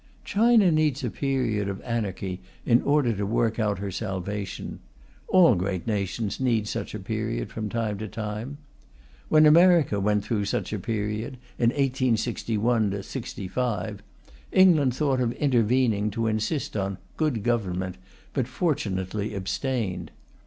China needs a period of anarchy in order to work out her salvation; all great nations need such a period, from time to time. When America went through such a period, in 1861 5, England thought of intervening to insist on "good government," but fortunately abstained.